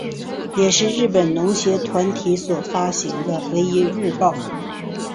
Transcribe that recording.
也是日本农协团体所发行的唯一日报。